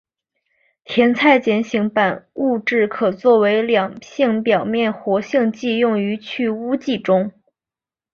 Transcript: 甜菜碱型物质可作为两性表面活性剂用于去污剂中。